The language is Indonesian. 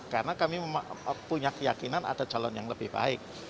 karena kami punya keyakinan ada calon yang lebih baik